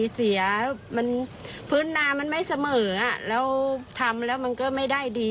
เสียมันพื้นนามันไม่เสมอแล้วทำแล้วมันก็ไม่ได้ดี